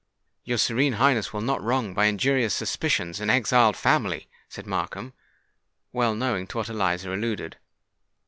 "Your Serene Highness will not wrong, by injurious suspicions, an exiled family!" said Markham, well knowing to what Eliza alluded.